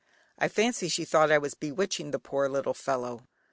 I fancy she thought I was bewitching the poor little fellow.